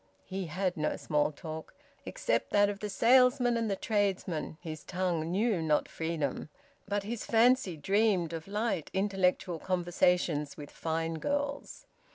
He had no small talk, except that of the salesman and the tradesman; his tongue knew not freedom; but his fancy dreamed of light, intellectual conversations with fine girls.